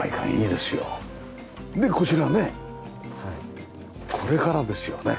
でこちらねこれからですよね。